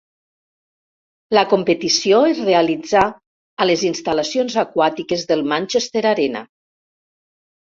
La competició es realitzà a les instal·lacions aquàtiques del Manchester Arena.